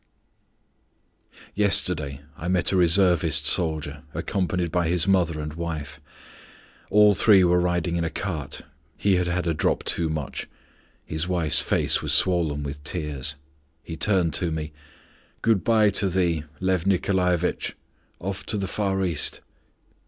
Yesterday I met a Reservist soldier accompanied by his mother and wife. All three were riding in a cart; he had had a drop too much; his wife's face was swollen with tears. He turned to me: "Good by to thee! Lyof Nikolaevitch, off to the Far East."